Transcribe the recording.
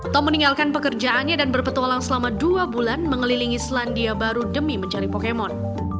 tom meninggalkan pekerjaannya dan berpetualang selama dua bulan mengelilingi selandia baru demi mencari pokemon